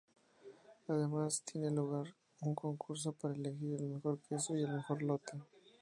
Además, tiene lugar un concurso para elegir el mejor queso y el mejor lote.